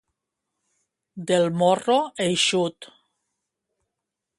Del morro eixut.